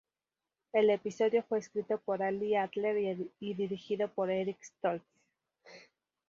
El episodio fue escrito por Ali Adler y dirigido por Eric Stoltz.